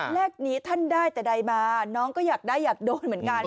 เลขนี้ท่านได้แต่ใดมาน้องก็อยากได้อยากโดนเหมือนกัน